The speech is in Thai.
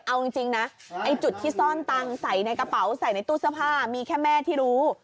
เอาจริงนะไอ้จุดที่ซ่อนตังค์ใส่ในกระเป๋าใส่ในตู้เสื้อผ้ามีแค่แม่ที่รู้